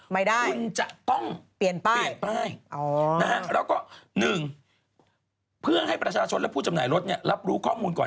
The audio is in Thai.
พี่ต้องการเลขไหมโอ้โห